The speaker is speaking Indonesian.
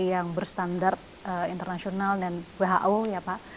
yang berstandar internasional dan who ya pak